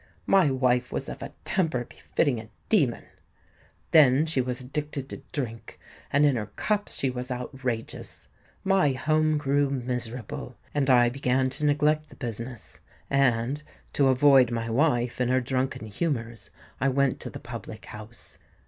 My wife was of a temper befitting a demon. Then she was addicted to drink; and in her cups she was outrageous. My home grew miserable: and I began to neglect the business; and, to avoid my wife in her drunken humours, I went to the public house.